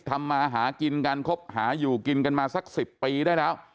ทำมาหากินกันคบหาอยู่กินกันมาสัก๑๐ปีได้แล้ว